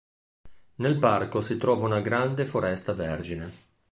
Nel parco si trova una grande foresta vergine.